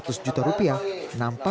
dan juga lima tahun penjara